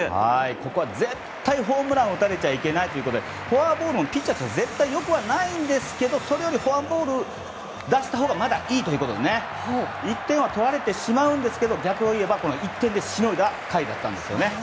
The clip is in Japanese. ここは絶対、ホームランを打たれちゃいけないということでフォアボールもピッチャーとしては絶対良くはないんですけどそれよりフォアボールを出したほうがまだいいということで１点は取られてしまうんですが逆を言えば１点でしのいだ回だったんです。